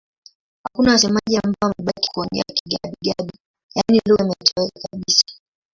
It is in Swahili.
Hakuna wasemaji ambao wamebaki kuongea Kigabi-Gabi, yaani lugha imetoweka kabisa.